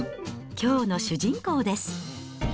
きょうの主人公です。